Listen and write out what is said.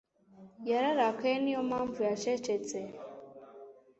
Yararakaye. Niyo mpamvu yacecetse.